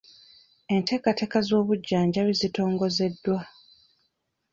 Enteekateeka z'obujjanjabi zitongozeddwa.